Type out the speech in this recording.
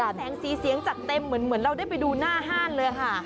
แสงสีเสียงจัดเต็มเหมือนเราได้ไปดูหน้าห้านเลยค่ะ